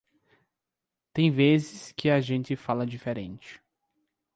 Tem vezes que a gente fala diferente.